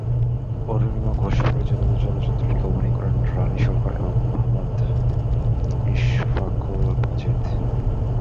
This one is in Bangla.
অরুণিমা ঘোষ পরিচালিত চলচ্চিত্রটিতে অভিনয় করেন রানী সরকার এবং মুহাম্মদ ইশফাকুল মজিদ।